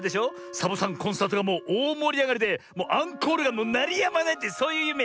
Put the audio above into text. サボさんコンサートがもうおおもりあがりでもうアンコールがなりやまないってそういうゆめよね？